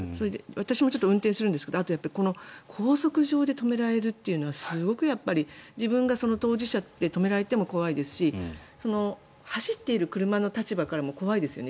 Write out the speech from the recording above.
私も運転するんですけど高速道路上で止められるのは自分が当事者で止められるのも怖いですし走っている車の立場からも怖いですよね。